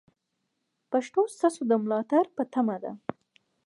پښتو ستاسو د ملاتړ په تمه ده.